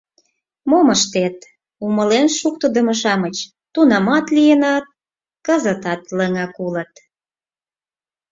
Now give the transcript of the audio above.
Мом ыштет, умылен шуктыдымо-шамыч тунамат лийыныт, кызытат лыҥак улыт.